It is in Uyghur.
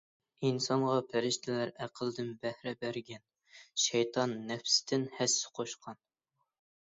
ئىنسانغا پەرىشتىلەر ئەقلىدىن بەھرە بەرگەن، شەيتان نەپسىدىن ھەسسە قوشقان.